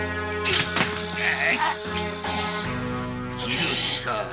斬る気か？